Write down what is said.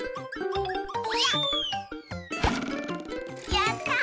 やった！